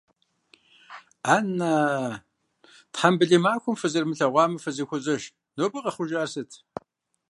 Ан-на, тхьэмбылей махуэм фызэрымылъагъумэ, фызэхуозэш, нобэ къэхъужар сыт?